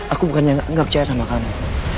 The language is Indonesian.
aku bukannya nggak percaya sama kamu